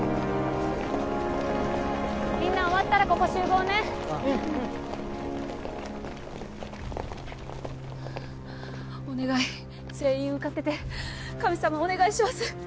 みんな終わったらここ集合ねお願い全員受かってて神様お願いしますどう？